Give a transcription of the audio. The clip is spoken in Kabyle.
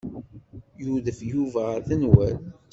Yudef Yuba ɣer tenwalt.